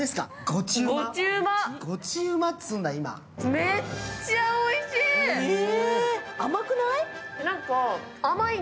めっちゃおいしい。